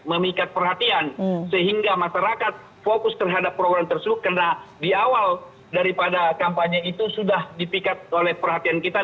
memikat perhatian sehingga masyarakat fokus terhadap program tersebut karena di awal daripada kampanye itu sudah dipikat oleh perhatian kita